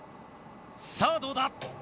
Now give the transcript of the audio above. さあどうだ？